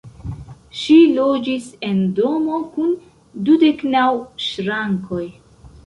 Ŝi loĝis en domo kun dudek naŭ ŝrankoj.